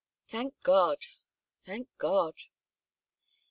"Thank God! Thank God!"